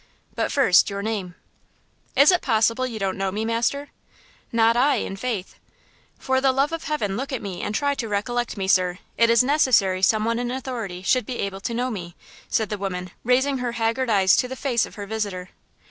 But first, your name?" "Is it possible you don't know me, master?" "Not I, in faith." "For the love of heaven, look at me, and try to recollect me, sir! It is necessary some one in authority should be able to know me," said the woman, raising her haggard eyes to the face of her visitor.